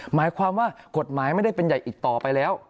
หมายความว่ากฎหมายไม่ได้เป็นใหญ่อีกต่อไปแล้ว